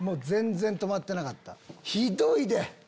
全然止まってなかったひどいで。